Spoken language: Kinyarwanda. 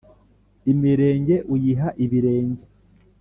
Imirenge uyiha ibirenge